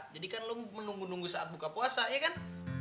jadi kan lo menunggu nunggu saat buka puasa ya kan